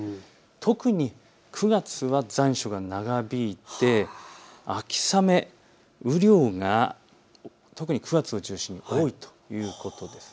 特に９月は残暑が長引いて秋雨、雨量が特に９月を中心に多いということです。